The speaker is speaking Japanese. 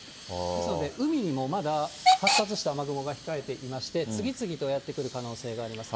ですので、海にもまだ発達した雨雲が控えていまして、次々とやって来る可能性があります。